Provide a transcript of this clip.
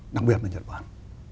đặc biệt là nhật bản